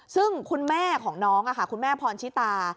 ซึ่งคุณแม่ของน้องคุณแม่พรชิตา